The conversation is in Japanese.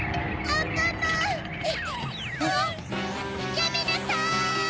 やめなさい！